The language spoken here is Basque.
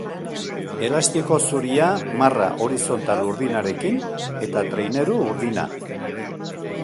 Elastiko zuria marra horizontal urdinarekin eta traineru urdina.